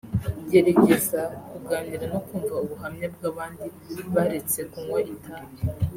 Geregeza kuganira no kumwa ubuhamya bw’abandi baretse kunywa itabi